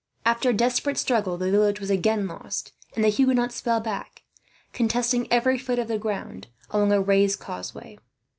After a desperate struggle the village was again lost, and the Huguenots fell back, contesting every foot of the ground, along a raised causeway.